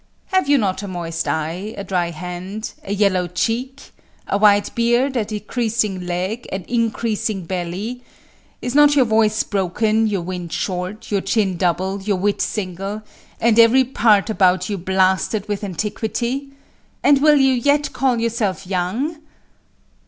Have you not a moist eye? a dry hand? a yellow cheek? a white beard? a decreasing leg? an increasing belly? is not your voice broken? your wind short? your chin double? your wit single? and every part about you blasted with antiquity? and will you yet call yourself young?